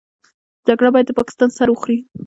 جګړه بايد د پاکستان سر وخوري.